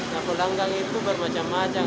yang pulanggang itu bermacam macam